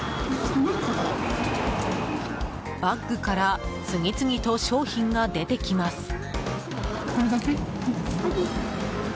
バッグから次々と商品が出てきます。